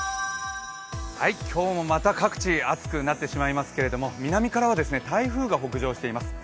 今日もまた各地暑くなってしまいますけれども南からは台風が北上しています。